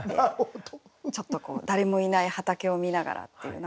ちょっと誰もいない畑を見ながらっていう。